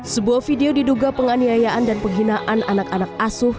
sebuah video diduga penganiayaan dan penghinaan anak anak asuh